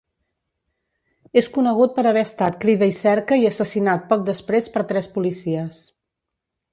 És conegut per haver estat crida i cerca i assassinat poc després per tres policies.